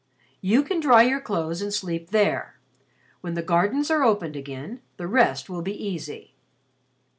You can dry your clothes and sleep there. When the gardens are opened again, the rest will be easy."